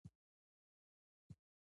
کابل او سوات یو له بل نه لرې نه دي.